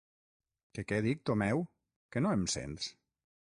Que què dic, Tomeu? Que no em sents?